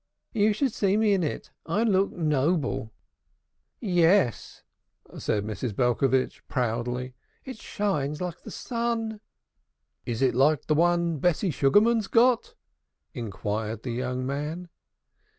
"You should see me in it. I look noble." "Yes," said Mrs. Belcovitch proudly. "It shines in the sun." "Is it like the one Bessie Sugarman's got?" inquired the young man.